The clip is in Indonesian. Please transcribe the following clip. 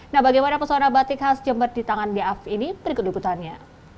nah bagaimana pesona batik khas jember di tangan lia afif ini berikut ikutannya